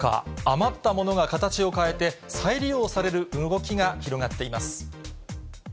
余ったものが形を変えて再利用される動きが広がっています。